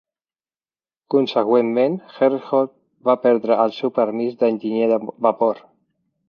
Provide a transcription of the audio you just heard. Consegüentment, Herreshoff va perdre el seu permís d'enginyer de vapor.